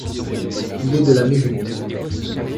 Il est de la maison.